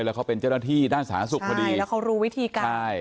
แล้วเขาเป็นเจ้าหน้าที่ด้านสาธารณสุขพอดีใช่แล้วเขารู้วิธีการใช่